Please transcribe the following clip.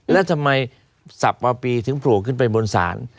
แล้วทำไมสับปะปีถึงโผล่ขึ้นไปบนศาล